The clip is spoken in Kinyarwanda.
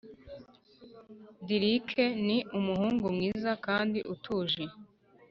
Dirck ni umuhungu mwiza kandi utuje